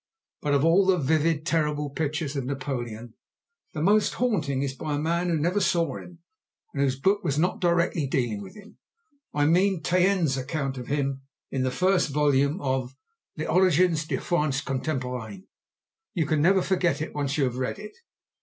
But of all the vivid terrible pictures of Napoleon the most haunting is by a man who never saw him and whose book was not directly dealing with him. I mean Taine's account of him, in the first volume of "Les Origines de la France Contemporaine." You can never forget it when once you have read it.